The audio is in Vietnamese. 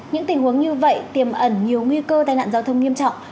những tình huống như vậy tiềm ẩn nhiều nguy cơ tai nạn giao thông nghiêm trọng